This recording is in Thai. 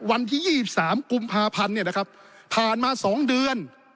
วันที่๒๓กุมภาพันธ์เนี่ยนะครับผ่านมา๒เดือน